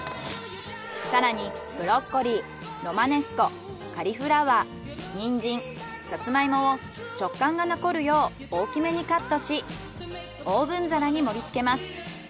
さらにブロッコリーロマネスコカリフラワーニンジンサツマイモを食感が残るよう大きめにカットしオーブン皿に盛り付けます。